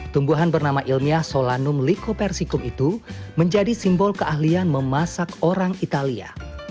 tumbuhan bernama ilmiah solanum lykopersicum itu menjadi simbol keahlian memasak orang italia